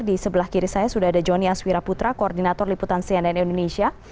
di sebelah kiri saya sudah ada joni aswira putra koordinator liputan cnn indonesia